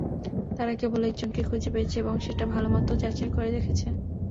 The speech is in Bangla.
তারা কেবল একজনকেই খুঁজে পেয়েছে এবং সেটা ভালোমতো যাচাই করে দেখেছে।